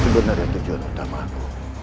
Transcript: sebenarnya tujuan utamaku